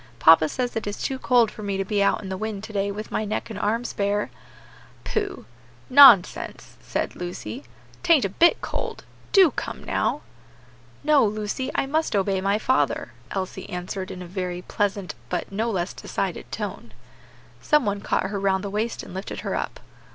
Papa says it is too cold for me to be out in the wind to day with my neck and arms bare." "Pooh! nonsense!" said Lucy, "'tain't a bit cold; do come now." "No, Lucy, I must obey my father," Elsie answered in a very pleasant but no less decided tone. Some one caught her round the waist and lifted her up.